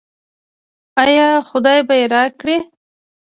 آیا خدای به یې راکړي؟